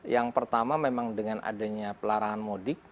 yang pertama memang dengan adanya pelarangan mudik